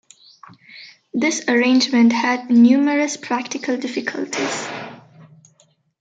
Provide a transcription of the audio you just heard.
This arrangement had numerous practical difficulties.